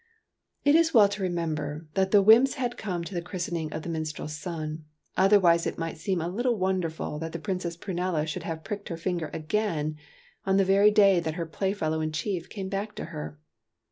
It is well to remember that the wymps had come to the christening of the minstrel's son ; otherwise it might seem a little wonderful that the Princess Prunella should have pricked her finger again, on the very day that her Play fellow in chief came back to her.